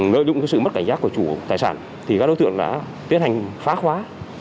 lợi dụng sự mất cảnh giác của chủ tài sản thì các đối tượng đã tiến hành phá khóa